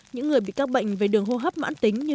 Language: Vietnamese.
những người bị các bệnh về đường hô hấp mãn tính như